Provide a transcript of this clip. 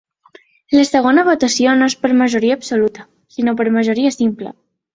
La segona votació no és per majoria absoluta, sinó per majoria simple.